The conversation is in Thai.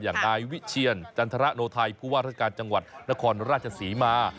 อย่างนายวิเชียรจันทรโนไทยผู้ว่าราชการจังหวัดนครราชศรีมา